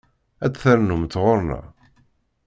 Ad d-ternumt ɣer-neɣ?